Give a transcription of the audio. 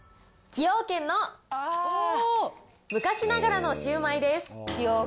崎陽軒の昔ながらのシウマイです。